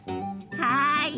はい！